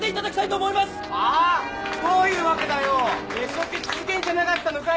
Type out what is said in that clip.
Ｓオケ続けんじゃなかったのか？